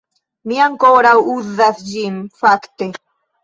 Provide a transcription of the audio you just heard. Mi ankoraŭ uzas ĝin fakte